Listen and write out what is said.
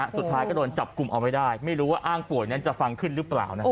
สุดท้ายก็โดนจับกลุ่มเอาไว้ได้ไม่รู้ว่าอ้างป่วยนั้นจะฟังขึ้นหรือเปล่า